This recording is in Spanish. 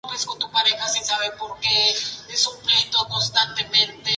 La mayoría son negros o de color obscuro.